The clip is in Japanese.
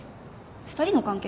２人の関係